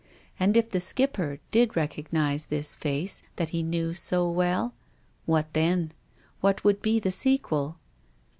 And if the Skipper did recognise this face that he knew so well — what then ? What would be the sequel